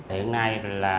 hiện nay là tên địa bàn